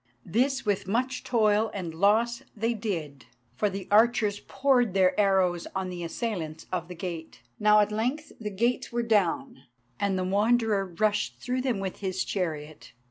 This with much toil and loss they did, for the archers poured their arrows on the assailants of the gate. Now at length the gates were down, and the Wanderer rushed through them with his chariot.